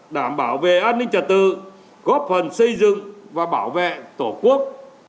đảm bảo về an ninh trật tự góp phần xây dựng và bảo vệ tổ quốc